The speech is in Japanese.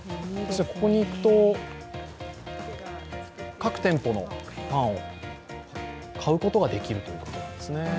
ここに行くと、各店舗のパンを買うことができるということなんですね。